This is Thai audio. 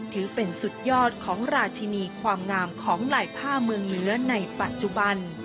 ถือเป็นสุดยอดของราชินีความงามของลายผ้าเมืองเหนือในปัจจุบัน